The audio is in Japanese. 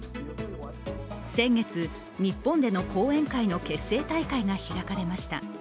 先月、日本での後援会の結成大会が開かれました。